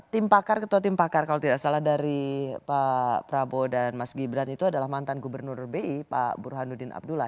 tim pakar ketua tim pakar kalau tidak salah dari pak prabowo dan mas gibran itu adalah mantan gubernur bi pak burhanuddin abdullah